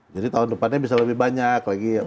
jadi tahun depannya bisa lebih banyak lagi